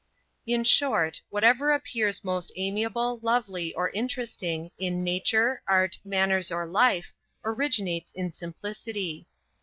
In short, whatever appears most amiable, lovely, or interesting in nature, art, manners, or life, originates in simplicity.